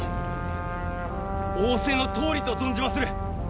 仰せのとおりと存じまする！